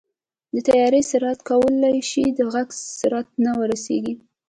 د طیارې سرعت کولی شي د غږ سرعت ته ورسېږي.